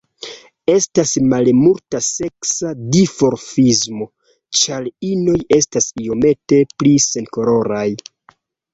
Estas malmulta seksa dimorfismo, ĉar inoj estas iomete pli senkoloraj.